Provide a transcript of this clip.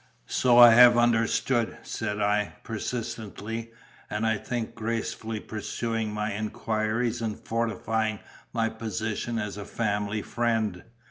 "So I have understood," said I, persistently, and (I think) gracefully pursuing my inquiries and fortifying my position as a family friend.